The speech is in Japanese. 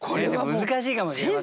難しいかもしれませんね。